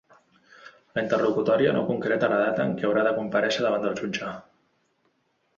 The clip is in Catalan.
La interlocutòria no concreta la data en què haurà de comparèixer davant el jutge.